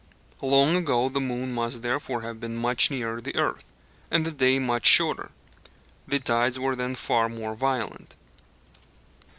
Long ago the moon must therefore have been much nearer the earth, and the day was much shorter. The tides were then far more violent.